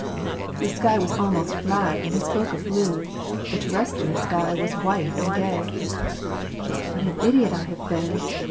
That sky was WAR AND PEACE. , 299 almost black and spoke of gloom ; the terrestrial sky was white and gay. "What an idiot I have been